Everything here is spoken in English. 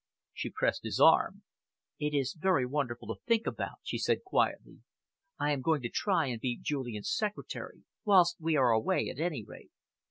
She pressed his arm. "It is very wonderful to think about," she said quietly. "I am going to try and be Julian's secretary whilst we are away, at any rate."